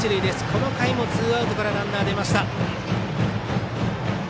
この回もツーアウトからランナー出ました。